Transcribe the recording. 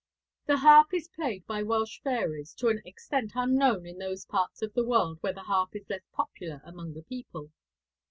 The harp is played by Welsh fairies to an extent unknown in those parts of the world where the harp is less popular among the people.